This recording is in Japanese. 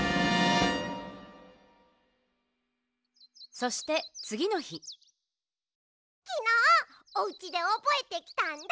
そしてつぎのひきのうおうちでおぼえてきたんだ！